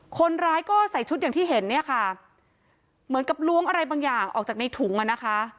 คนร้ายก็ใส่ชุดอย่างที่เห็นเนี่ยค่ะเหมือนกับล้วงอะไรบางอย่างออกจากในถุงอ่ะนะคะ